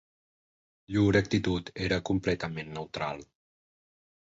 Llur actitud era completament neutral